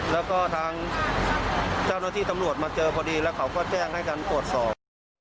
แล้วก็ทางเจ้าหน้าที่ตำรวจมาเจอพอดีแล้วเขาก็แจ้งให้กันตรวจสอบ